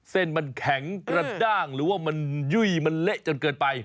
เส้นมันแข็งกระด้างหรือว่ามันยุ่ยมันเละจนเกินไป